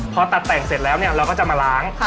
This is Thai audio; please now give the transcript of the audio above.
พอตัดแต่งเสร็จแล้วเนี่ยเราก็จะมาล้าง